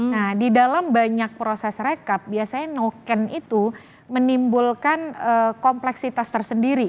nah di dalam banyak proses rekap biasanya noken itu menimbulkan kompleksitas tersendiri